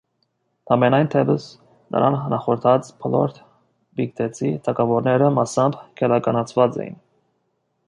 Համենայն դեպս, նրան նախորդած բոլոր պիկտեցի թագավորները մասամբ գելականացված էին։